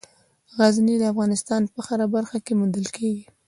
غزني د افغانستان په هره برخه کې موندل کېږي.